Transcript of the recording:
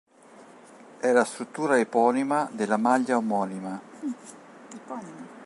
È la struttura eponima della maglia omonima.